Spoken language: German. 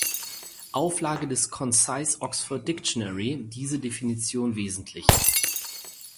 Auflage des "Concise Oxford Dictionary" diese Definition wesentlich.